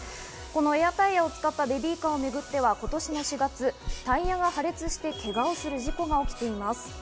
エアタイヤを使ったベビーカーをめぐっては今年４月、タイヤが破裂して、けがをする事故が起きています。